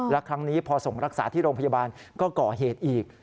และครั้งนี้พอส่งรักษาที่โรงพยาบาลก็ก่อเหตุอีก